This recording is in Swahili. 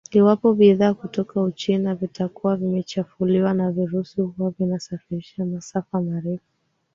Iwapo bidhaa kutoka Uchina vitakuwa vimechafuliwa na virusi huwa vinasafiri masafa marefu